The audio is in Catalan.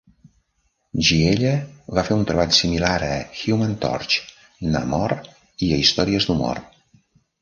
Giella va fer un treball similar a Human Torch, Namor i a històries d'humor.